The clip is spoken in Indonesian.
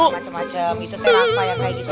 macem macem gitu terang banyak kayak gitu